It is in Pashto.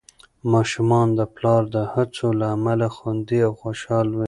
ماشومان د پلار د هڅو له امله خوندي او خوشحال وي.